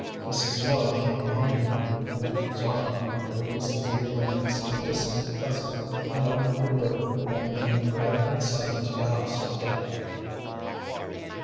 Mrs. Lloyd came leaning on her nephew's arm, and there were Cynthia Lennox and a distant cousin, an elderly widow who had been summoned to the house of death.